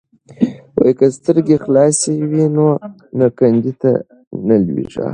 که سترګې خلاصې وي نو کندې ته نه لویږي.